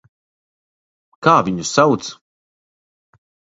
Kā viņu sauc?